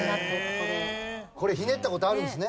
これひねった事あるんですね？